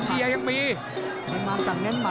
ชื่อมือล้นเหมือนกัน